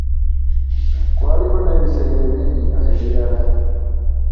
Kwaliko n'ebisenge bingi nnyo ebiralala.